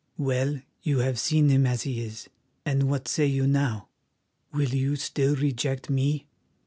Well, you have seen him as he is, and what say you now? Will you still reject me?